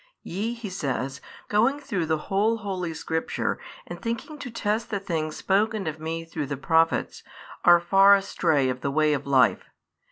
Ye (He says) going through the whole holy Scripture and thinking to test the things spoken of Me through the Prophets, are far astray of the way of Life.